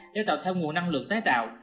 để tạo theo nguồn năng lượng tái tạo